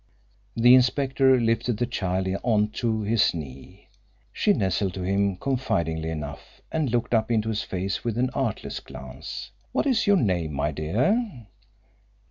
The inspector lifted the child on to his knee. She nestled to him confidingly enough, and looked up into his face with an artless glance. "What is your name, my dear?"